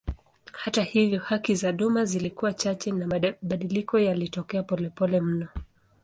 Hata hivyo haki za duma zilikuwa chache na mabadiliko yalitokea polepole mno.